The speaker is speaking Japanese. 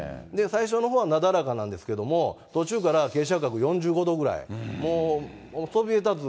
最初のほうはなだらかなんですけれども、途中から傾斜角４５度ぐらい、もうそびえたつ